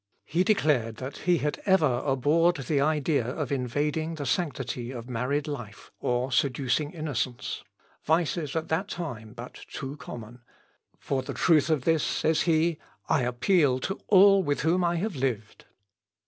He declared that he had ever abhorred the idea of invading the sanctity of married life, or seducing innocence, vices at that time but too common, "or the truth of this," says he, "I appeal to all with whom I have lived."